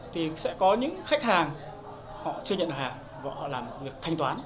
thì sẽ có những khách hàng họ chưa nhận hàng và họ làm việc thanh toán